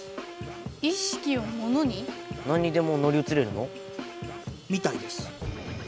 なんにでも乗り移れるの？みたいです。